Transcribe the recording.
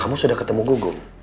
kamu sudah ketemu gugu